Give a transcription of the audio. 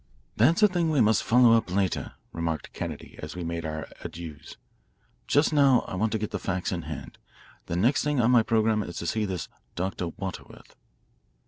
"That's a thing we must follow up later," remarked Kennedy as we made our adieus. "Just now I want to get the facts in hand. The next thing on my programme is to see this Dr. Waterworth."